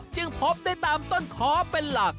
จึงพบได้ตามต้นคอเป็นหลัก